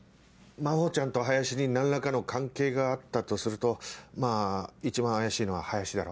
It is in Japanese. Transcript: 真帆ちゃんと林に何らかの関係があったとするとまぁ一番怪しいのは林だろ。